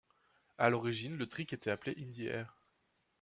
À l'origine, le trick était appelé Indy Air.